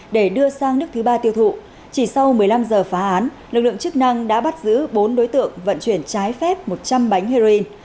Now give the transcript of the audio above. để đưa sang nước thứ ba tiêu thụ chỉ sau một mươi năm giờ phá án lực lượng chức năng đã bắt giữ bốn đối tượng vận chuyển trái phép một trăm linh bánh heroin